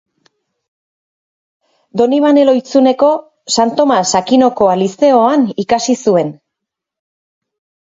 Donibane Lohizuneko San Tomas Akinokoa lizeoan ikasi zuen.